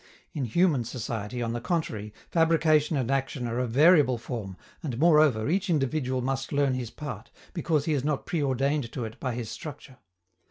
In human society, on the contrary, fabrication and action are of variable form, and, moreover, each individual must learn his part, because he is not preordained to it by his structure.